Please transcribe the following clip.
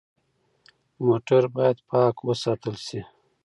موټر باید پاک وساتل شي.